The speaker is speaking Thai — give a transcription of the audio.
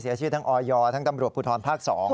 เสียชื่อทั้งออยทั้งตำรวจภูทรภาค๒